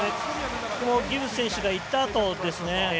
ギブス選手がいったあとですね。